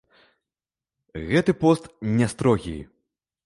Гэты пост не строгі.